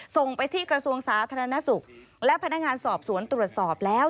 ส่งไปที่กระทรวงสาธารณสุขและพนักงานสอบสวนตรวจสอบแล้ว